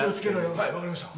はい分かりました。